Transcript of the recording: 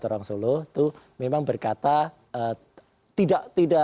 yang kedua mbak putri